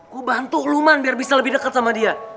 gue bantu lo man biar bisa lebih deket sama dia